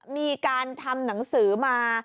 มีการทำหนังสือมา